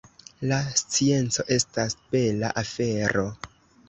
La scienco estas bela afero.